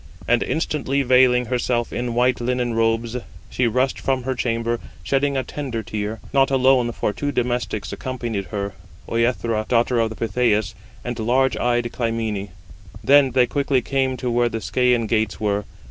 And instantly veiling herself in white linen robes, 152 she rushed from her chamber, shedding a tender tear: not alone, for two domestics accompanied her, Œthra, daughter of Pittheus, and large eyed Clymene. Then they quickly came to where the Scæan gates were.